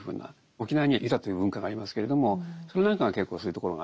沖縄にはユタという文化がありますけれどもそれなんかが結構そういうところがあってですね